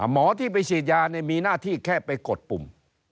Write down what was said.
หมอที่ไปฉีดยามีหน้าที่แค่ไปกดปุ่ม